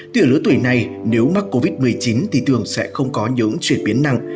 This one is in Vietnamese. từ lứa tuổi này nếu mắc covid một mươi chín thì thường sẽ không có những chuyển biến nặng